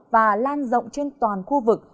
và lan rộng trên toàn khu vực